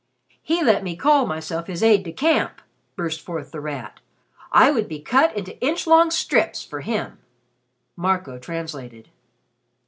"He let me call myself his aide de camp!" burst forth The Rat. "I would be cut into inch long strips for him." Marco translated.